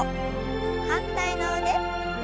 反対の腕。